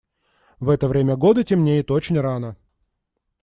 В это время года темнеет очень рано.